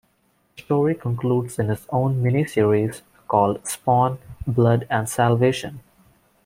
The story concludes in its own miniseries, called "Spawn: Blood and Salvation".